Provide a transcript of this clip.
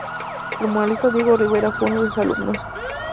El muralista Diego Rivera fue uno de sus alumnos.